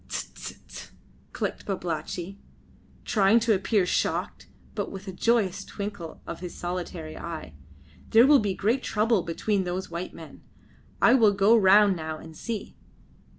"Tse! tse! tse!" clicked Babalatchi, trying to appear shocked, but with a joyous twinkle of his solitary eye. "There will be great trouble between those white men. I will go round now and see.